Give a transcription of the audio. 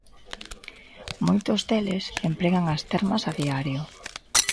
Moitos deles empregan as termas a diario.